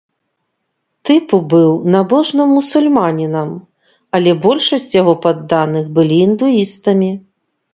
Тыпу быў набожным мусульманінам, але большасць яго падданых былі індуістамі.